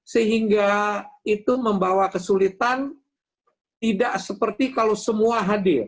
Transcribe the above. sehingga itu membawa kesulitan tidak seperti kalau semua hadir